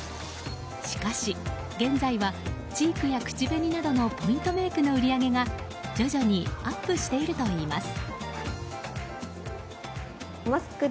しかし現在はチークや口紅などのポイントメイクの売り上げが徐々にアップしているといいます。